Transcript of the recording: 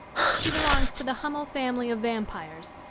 She belongs to the Hummel family of vam pires.